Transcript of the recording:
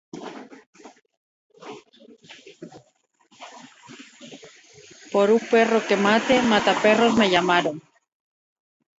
Por un perro que mate, mata-perros me llamaron.